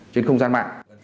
trên không gian mạng